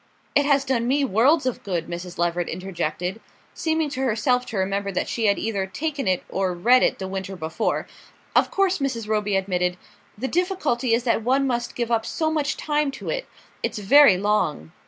"It has done me worlds of good," Mrs. Leveret interjected, seeming to herself to remember that she had either taken it or read it the winter before. "Of course," Mrs. Roby admitted, "the difficulty is that one must give up so much time to it. It's very long."